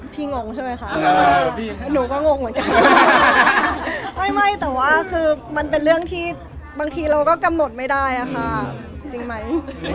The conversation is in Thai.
พี่งบเถอะนะคะนะว่าบางทีเราก็กำหนดไม่ได้อ่าค่ะจริงไหม